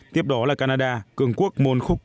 tiếp đó là canada cường quốc môn khó khăn